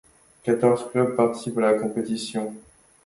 Quatorze clubs participent à la compétition.